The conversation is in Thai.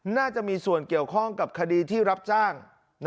น่าจะมีส่วนเกี่ยวข้องกับคดีที่รับจ้าง